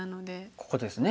ここですね。